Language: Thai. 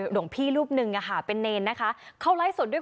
หลวงพี่รูปหนึ่งเป็นเนรนะคะเขาไลฟ์สดด้วย